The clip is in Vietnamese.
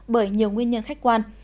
bởi nhiều nguyên nhân khách quan